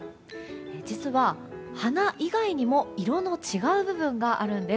実は、花以外にも色の違う部分があるんです。